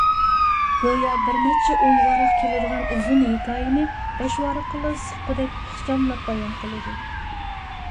گويا بىرنەچچە ئون ۋاراق كېلىدىغان ئۇزۇن ھېكايىنى بەش ۋاراققىلا سىغقۇدەك ئىخچاملاپ بايان قىلىدۇ.